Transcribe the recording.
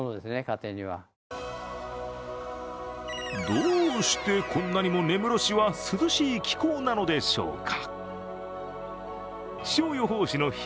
どうしてこんなにも根室市は涼しい気候なのでしょうか。